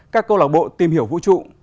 các câu lạc bộ tìm hiểu vũ trụ